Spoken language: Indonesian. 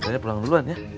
saya pulang duluan ya